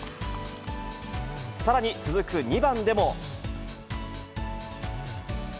さらに続く２番でも。